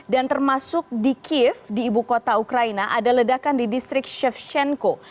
dan termasuk di kiev di ibu kota ukraina ada ledakan di distrik shevchenko